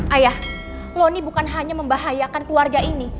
ayah loni bukan hanya membahayakan keluarga ini